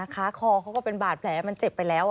คอเขาก็เป็นบาดแผลมันเจ็บไปแล้ว